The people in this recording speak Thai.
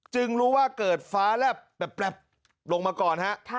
รู้ว่าเกิดฟ้าแลบลงมาก่อนฮะ